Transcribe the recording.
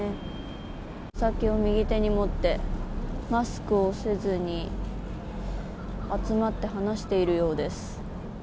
お酒を右手に持ってマスクをせずに、集まって話しているようです。